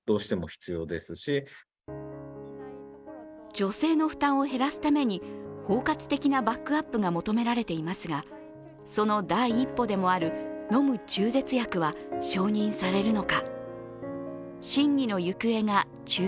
女性の負担を減らすために包括的なバックアップが求められていますがその第一歩でもある飲む中絶薬は承認されるのか。